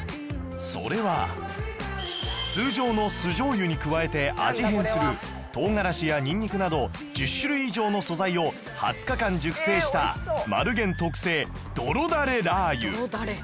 それは通常の酢醤油に加えて味変する唐辛子やニンニクなど１０種類以上の素材を２０日間熟成した丸源特製どろだれラー油